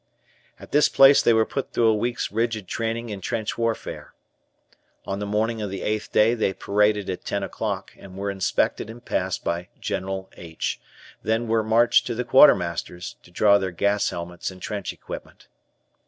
At this place they were put through a week's rigid training in trench warfare. On the morning of the eighth day, they paraded at ten o'clock, and were inspected and passed by General H , then were marched to the Quartermaster's, to draw their gas helmets and trench equipment.